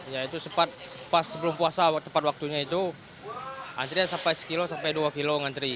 ya itu sempat pas sebelum puasa tepat waktunya itu antrian sampai sekilo sampai dua kilo ngantri